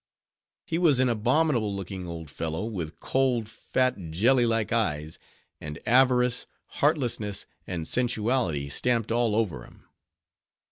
He was an abominable looking old fellow, with cold, fat, jelly like eyes; and avarice, heartlessness, and sensuality stamped all over him.